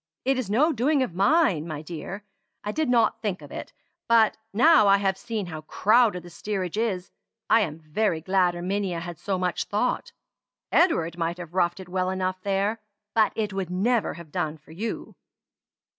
It is no doing of mine, my dear. I did not think of it; but now I have seen how crowded the steerage is, I am very glad Erminia had so much thought. Edward might have roughed it well enough there, but it would never have done for you."